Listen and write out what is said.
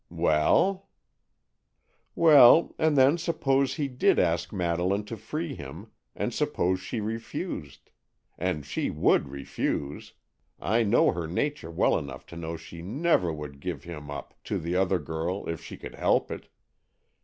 "Well?" "Well, and then suppose he did ask Madeleine to free him, and suppose she refused. And she would refuse! I know her nature well enough to know she never would give him up to the other girl if she could help it.